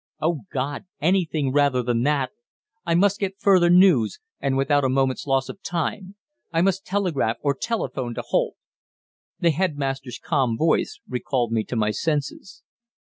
Oh, God, anything rather than that! I must get further news, and without a moment's loss of time. I must telegraph or telephone to Holt. The headmaster's calm voice recalled me to my senses.